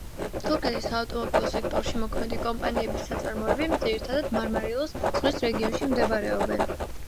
თურქეთის საავტომობილო სექტორში მოქმედი კომპანიების საწარმოები, ძირითადად მარმარილოს ზღვის რეგიონში მდებარეობენ.